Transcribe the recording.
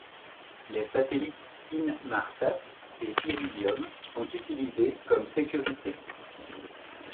Les satellites Inmarsat et Iridium sont utilisés comme sécurité.